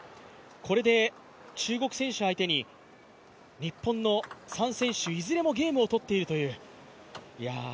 これで中国選手相手に日本の３選手、いずれもゲームを取っているという。